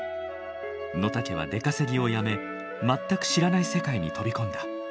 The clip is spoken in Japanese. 野竹は出稼ぎをやめ全く知らない世界に飛び込んだ。